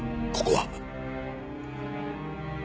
ここは。